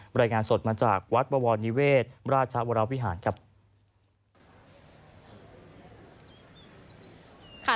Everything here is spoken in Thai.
รายงานสดมาจากวัดบวรนิเวศราชวรวิหารครับ